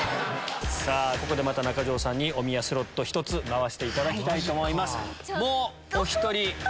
ここでまた中条さんにおみやスロット１つ回していただきたいと思います。